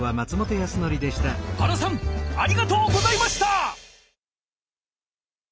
原さんありがとうございました！